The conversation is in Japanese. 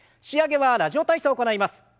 仕上げは「ラジオ体操」を行います。